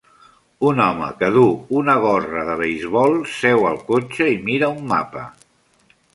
Un home que duu una gorra de beisbol seu al cotxe i mira un mapa.